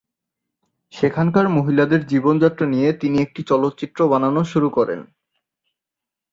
সেখানকার মহিলাদের জীবনযাত্রা নিয়ে তিনি একটি চলচ্চিত্র বানানো শুরু করেন।